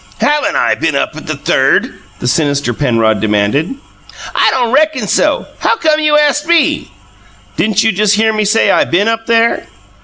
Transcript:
"HAVEN'T I been up at the Third?" the sinister Penrod demanded. "I don' reckon so. How come you ast ME?" "Didn't you just hear me SAY I been up there?"